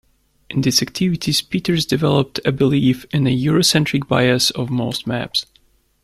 In these activities Peters developed a belief in the Eurocentric bias of most maps.